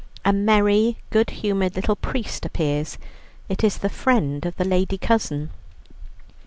A merry, good humoured little priest appears; it is the friend of the lady cousin.